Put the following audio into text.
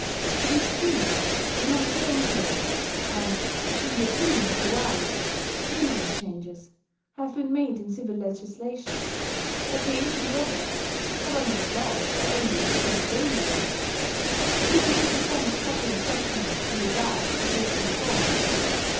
It is true that many changes and, in the opinion of the wise, too many changes have been made in civil legislation; but the ancient proverb, "Government laws are only seven day laws," still represents popular sentiment in regard to hasty reforms.